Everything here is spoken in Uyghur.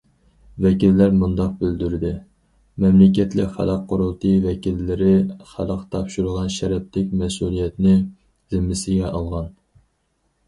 ۋەكىللەر مۇنداق بىلدۈردى: مەملىكەتلىك خەلق قۇرۇلتىيى ۋەكىللىرى خەلق تاپشۇرغان شەرەپلىك مەسئۇلىيەتنى زىممىسىگە ئالغان.